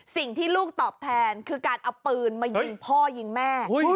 สิ่งที่ลูกตอบแทนคือการเอาปืนมายิงพ่อยิงแม่